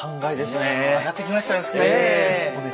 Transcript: やって来ましたですね。